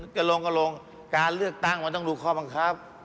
จะลงก็ลงการเลือกตั้งมันต้องดูข้อบังคับ